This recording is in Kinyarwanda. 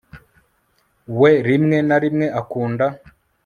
We rimwe na rimwe akunda